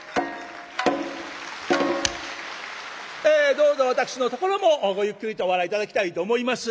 どうぞ私のところもごゆっくりとお笑い頂きたいと思います。